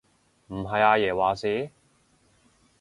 唔係阿爺話事？